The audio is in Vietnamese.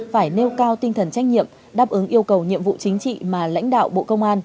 phải nêu cao tinh thần trách nhiệm đáp ứng yêu cầu nhiệm vụ chính trị mà lãnh đạo bộ công an